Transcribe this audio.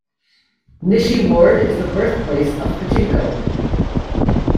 Nishi-Ward is the birthplace of pachinko.